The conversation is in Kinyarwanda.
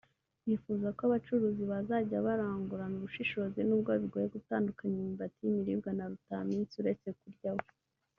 Bifuza ko abacuruzi bazajya barangurana ubushishozi nubwo bigoye gutandukanya imyumbati y’imiribwa na rutamisi uretse kuryaho